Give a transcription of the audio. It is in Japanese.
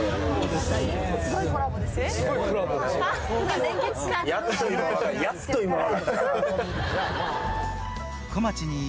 すごいコラボですよ。